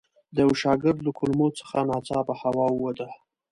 د یوه شاګرد له کلمو څخه ناڅاپه هوا ووته.